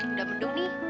udah mendung nih